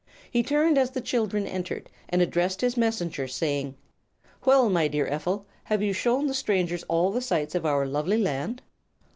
He turned as the children entered and addressed his Messenger, saying: "Well, my dear Ephel, have you shown the strangers all the sights of our lovely land?"